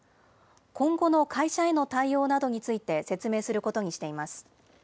今後の会社への対応などについて説明することにしています。